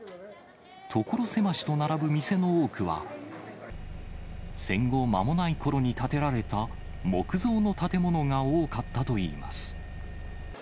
所狭しと並ぶ店の多くは、戦後間もないころに建てられた木造の建物が多かったといいます。